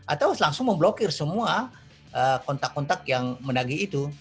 atau langsung memblokir semua kontak kontak yang menagi itu